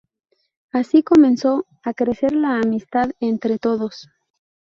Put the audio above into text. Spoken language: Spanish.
Así comenzó a crecer la amistad entre todos.